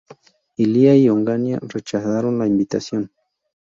Illia y Onganía rechazaron la invitación.